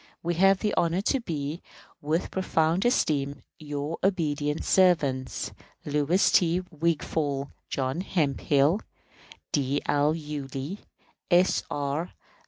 We have the honor to be, with profound esteem, Your obedient servants, LOUIS T. WIGFALL, JOHN HEMPHILL, D. L. YULEE, S. R.